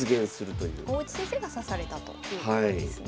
大内先生が指されたということですね。